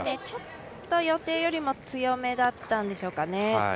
ちょっと予定よりも強めだったんでしょうかね。